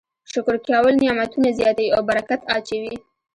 شکر کول نعمتونه زیاتوي او برکت اچوي.